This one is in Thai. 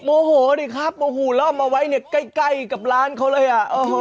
โมโหดิครับโมหูเล่ามาไว้เนี้ยใกล้ใกล้กับร้านเขาเลยอ่ะอ่อ